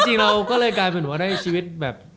จริงเราก็เลยกลายเป็นว่าได้ชีวิตแบบ